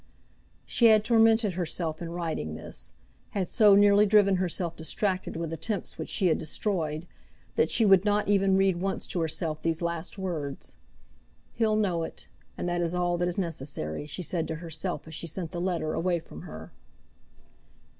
She had tormented herself in writing this, had so nearly driven herself distracted with attempts which she had destroyed, that she would not even read once to herself these last words. "He'll know it, and that is all that is necessary," she said to herself as she sent the letter away from her.